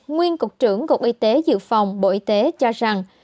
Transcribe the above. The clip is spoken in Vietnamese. nguyên cục trưởng cục y tế dự phòng bộ y tế cho rằng